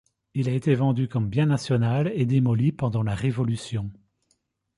Il a été vendu comme bien national et démoli pendant la Révolution.